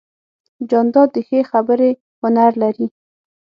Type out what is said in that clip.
جانداد د ښې خبرې هنر لري.